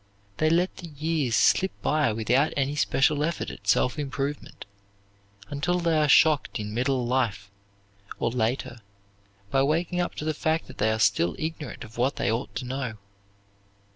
They let the years slip by without any special effort at self improvement, until they are shocked in middle life, or later, by waking up to the fact that they are still ignorant of what they ought to know.